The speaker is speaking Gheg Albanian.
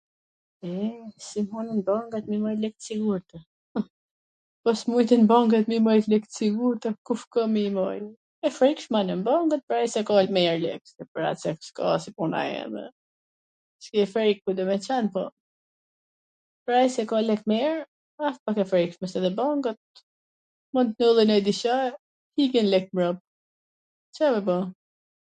E, si s'munden bankat me mbajt lek t sigurta, hw, po s mujtwn bankat me mbajt lek t sigurta, kush ka me i mbajt. ... Pwr at qw s ka si puna eme... s ke frik... Ca me ba ...